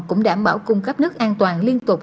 cũng đảm bảo cung cấp nước an toàn liên tục